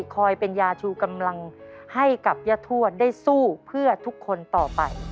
คอยเป็นยาชูกำลังให้กับย่าทวดได้สู้เพื่อทุกคนต่อไป